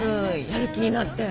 やる気になって。